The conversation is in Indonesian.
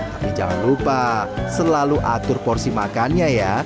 tapi jangan lupa selalu atur porsi makannya ya